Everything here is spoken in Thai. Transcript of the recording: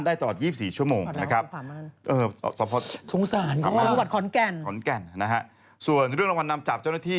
ตลอด๒๔ชั่วโมงนะครับส่วนเรื่องรางวัลนำจับเจ้าหน้าที่